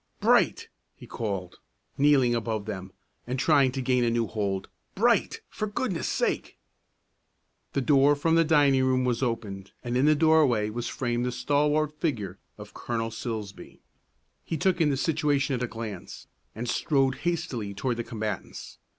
"Bright!" he called, kneeling above them, and trying to gain a new hold, "Bright, for goodness' sake!" The door from the dining room was opened, and in the doorway was framed the stalwart figure of Colonel Silsbee. He took in the situation at a glance, and strode hastily toward the combatants.